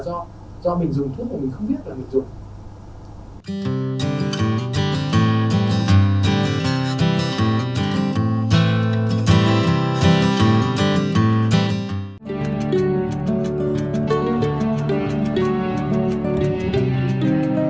do mình dùng thuốc mà mình không biết là mình dùng